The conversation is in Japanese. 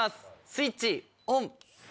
スイッチオン。